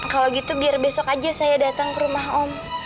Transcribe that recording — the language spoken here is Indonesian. kalau gitu biar besok aja saya datang ke rumah om